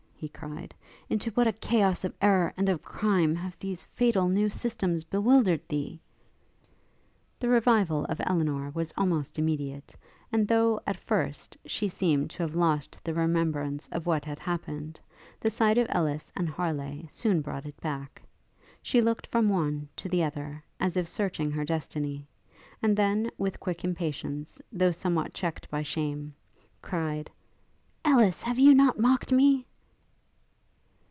he cried, 'into what a chaos of errour and of crime have these fatal new systems bewildered thee!' The revival of Elinor was almost immediate; and though, at first, she seemed to have lost the remembrance of what had happened, the sight of Ellis and Harleigh soon brought it back. She looked from one to the other, as if searching her destiny; and then, with quick impatience, though somewhat checked by shame, cried, 'Ellis! have you not mocked me?'